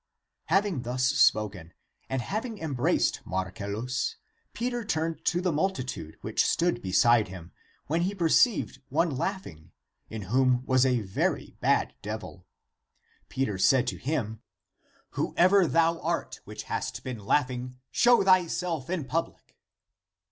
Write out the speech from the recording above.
Having thus spoken, and having embraced Marcellus, Peter turned to the muhitude which stood beside him, when he perceived one laughing, in whom was a very bad devil. Peter said to him, " Whoever thou art which hast been laughing, show thyself in public."